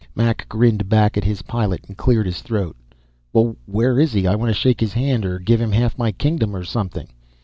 Mac grinned back at his pilot and cleared his throat. "Well, where is he? I wanta shake his hand, or give him half my kingdom, or something."